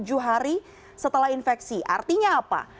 jadi setelah infeksi artinya apa